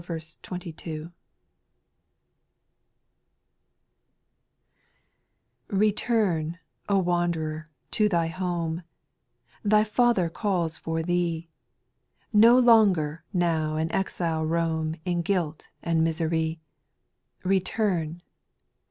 "p ETURN, O wanderer, to thy home ; Xt Thy Father calls for thee ; No longer now an exile roam In guilt and misery. Return